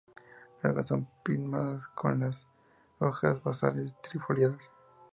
Las hojas son pinnadas con las hojas basales trifoliadas.